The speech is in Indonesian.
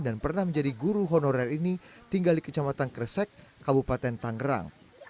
dan pernah menjadi guru honorer ini tinggal di kecamatan kresek kabupaten tanggerang